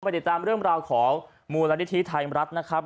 ติดตามเรื่องราวของมูลนิธิไทยรัฐนะครับ